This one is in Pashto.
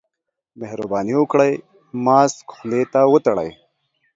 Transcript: مهرباني وکړئ، ماسک خولې ته وتړئ.